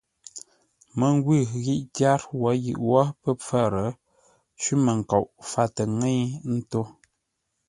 Məngwʉ̂ ghî tyár wǒ yʉʼ wó pə́ pfár, cwímənkoʼ fâtə ńŋə́i ńtó.